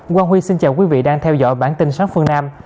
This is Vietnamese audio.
quang huy xin chào quý vị đang theo dõi bản tin sáng phương nam